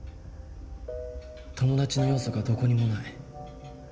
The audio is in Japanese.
友達の要素がどこにもない。